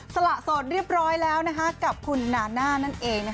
สละสดเรียบร้อยแล้วกับคุณนาน่านั่นเอง